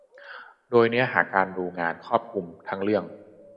โดยเนื้อหาการดูงานครอบคลุมทั้งเรื่อง